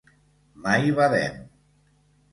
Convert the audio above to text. Mai Badem!